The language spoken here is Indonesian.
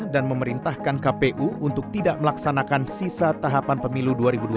dan memerintahkan kpu untuk tidak melaksanakan sisa tahapan pemilu dua ribu dua puluh empat